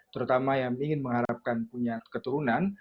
terutama yang ingin mengharapkan punya keturunan